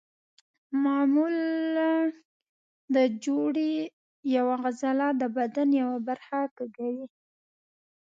معمولا د جوړې یوه عضله د بدن یوه برخه کږوي.